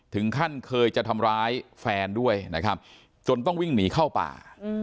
ถึงขั้นเคยจะทำร้ายแฟนด้วยนะครับจนต้องวิ่งหนีเข้าป่า